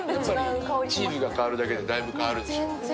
チーズが変わるだけでだいぶ変わるでしょう？